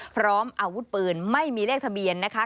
พร้อมอาวุธปืนไม่มีเลขทะเบียนนะคะ